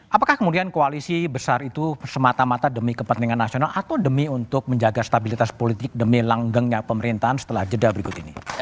apakah kemudian koalisi besar itu semata mata demi kepentingan nasional atau demi untuk menjaga stabilitas politik demi langgengnya pemerintahan setelah jeda berikut ini